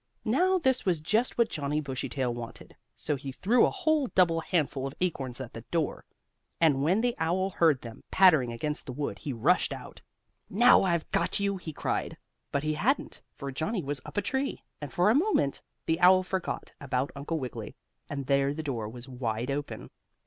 Now this was just what Johnnie Bushytail wanted, so he threw a whole double handful of acorns at the door, and when the owl heard them pattering against the wood he rushed out. "Now, I've got you!" he cried, but he hadn't, for Johnnie was up a tree. And, for the moment, the owl forgot about Uncle Wiggily, and there the door was wide open.